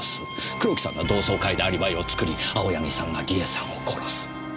黒木さんが同窓会でアリバイを作り青柳さんが梨絵さんを殺す。